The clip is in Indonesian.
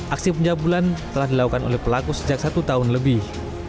aksi penjabulan telah dilakukan oleh pelaku sejak satu tahun lebih